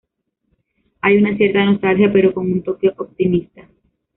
Hay una cierta nostalgia pero con un toque optimista.